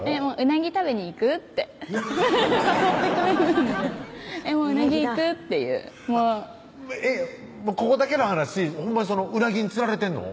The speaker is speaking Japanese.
「鰻食べに行く？」って誘ってくれるんで「鰻行く」っていうここだけの話ほんまに鰻に釣られてんの？